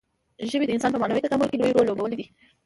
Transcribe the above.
ژبې د انسان په معنوي تکامل کې لوی رول لوبولی دی.